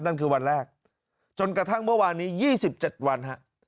นั่นคือวันแรกจนกระทั่งเมื่อวานนี้๒๗วันฮะ